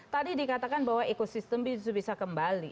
tadi dikatakan bahwa ekosistem bisa kembali